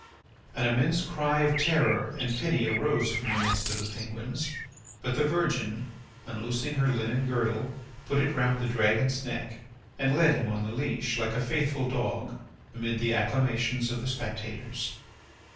An immense cry of terror and pity arose from the midst of the Penguins. But the virgin, unloosing her linen girdle, put it round the dragon's neck and led him on the leash like a faithful dog amid the acclamations of the spectators.